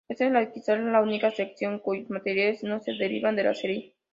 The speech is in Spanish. Esta es quizás la única sección cuyos materiales no se derivan de la serie.